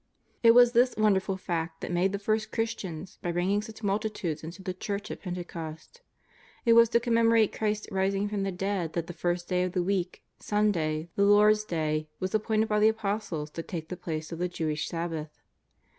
It was this wonderful fact that made the first Christians by bring ing such multitudes into the Church at Pentecost. It was to commemorate Christ's rising from the dead that the first day of the week, Sunday, the Lord's Day, was appointed by the Apostles to take the place of the Jewish Sabbath.